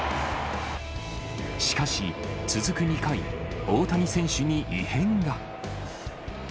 しかし、続く２回、大谷選手に異変が。